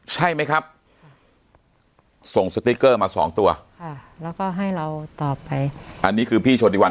ใช่ไหมครับส่งสติ๊กเกอร์มาสองตัวค่ะแล้วก็ให้เราตอบไปอันนี้คือพี่โชติวัน